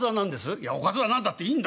「いやおかずは何だっていいんだよ」。